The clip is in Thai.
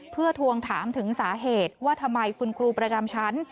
เพื่อทวงถามถึงสาเหตุว่าทำไมคุณครูประจำชั้น